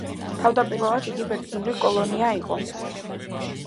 თავდაპირველად, იგი ბერძნული კოლონია იყო.